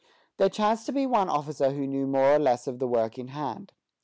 There chanced to be one officer who knew more or less of the work in hand.